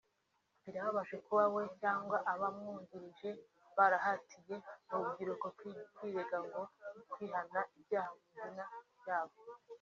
Birababaje kuba we cyangwa abamwungirije barahatiye urubyiruko kwirega no kwihana ibyaha mu izina ry’Abahutu